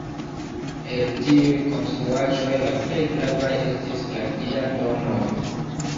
El tiuj konstruaĵoj, la plej gravaj estis la dia domoj.